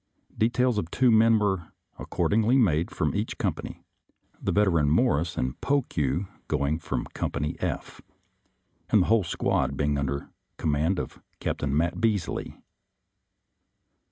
Details of two men were accordingly made from each company, the Veteran Morris and Pokue going from Company F, and the whole squad being under command of Captain Mat Beasley.